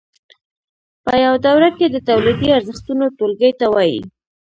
په یوه دوره کې د تولیدي ارزښتونو ټولګې ته وایي